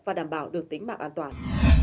và đảm bảo được tính mạng an toàn